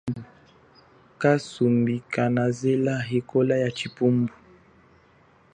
Kasumbi kanazela ikola ya chipupu.